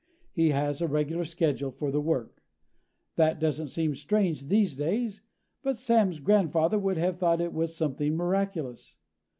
He has a regular schedule for work. That doesn't seem strange these days, but Sam's grandfather would have thought it was something miraculous.